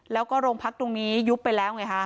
แล้วก็โรงพักตรงนี้ยุบไปแล้วไงฮะ